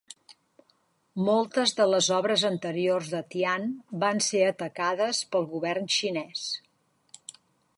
Moltes de les obres anteriors de Tian van ser atacades pel govern xinès.